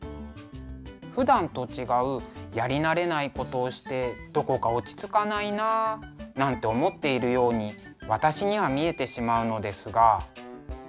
ふだんと違うやり慣れないことをして「どこか落ち着かないな」なんて思っているように私には見えてしまうのですが。